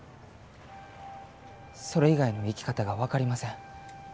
それ以外の生き方が分かりません。